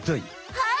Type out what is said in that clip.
はい！